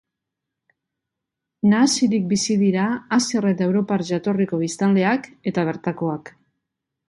Nahasirik bizi dira asiar eta europar jatorriko biztanleak eta bertakoak.